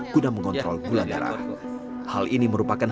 kuda mengontrol gula darah